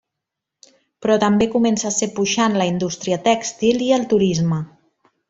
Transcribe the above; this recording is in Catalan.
Però també comença a ser puixant la indústria tèxtil i el turisme.